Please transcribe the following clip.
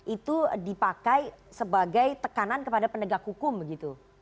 itu dipakai sebagai tekanan kepada penegak hukum begitu